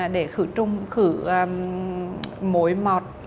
để khử trung khử mối mọt